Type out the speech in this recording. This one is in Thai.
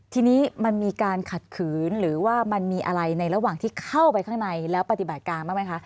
ทีนี้มันมีการขัดขืนหรือว่ามันมีอะไรในระหว่างที่เข้าไปข้างในแล้วปฏิบัติการบ้างไหมคะ